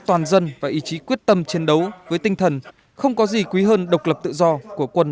toàn dân và ý chí quyết tâm chiến đấu với tinh thần không có gì quý hơn độc lập tự do của quân